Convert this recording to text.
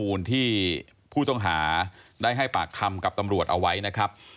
ที่ผู้ต้องหาได้ให้ปากคำกับตำรวจเอาไว้นะครับ